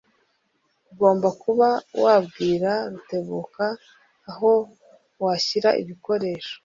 Ugomba kuba wabwira Rutebuka aho washyira ibikoresho.